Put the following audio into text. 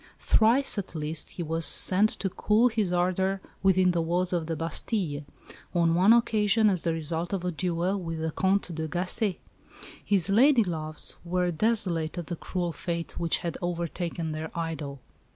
Thrice, at least, he was sent to cool his ardour within the walls of the Bastille on one occasion as the result of a duel with the Comte de Gacé. His lady loves were desolate at the cruel fate which had overtaken their idol.